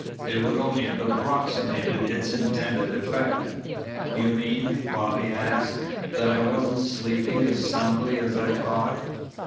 It would only have approximated its intended effect." "You mean," Bobby asked, "that I wasn't sleeping as soundly as I thought?"